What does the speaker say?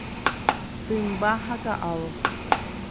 Tymba ha ka'avo.